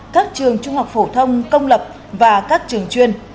các trường trung học phổ thông công lập và các trường chuyên